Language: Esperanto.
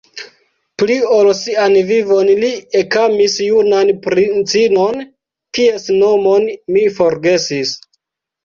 Pli ol sian vivon li ekamis junan princinon, kies nomon mi forgesis.